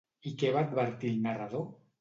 I què va advertir el narrador?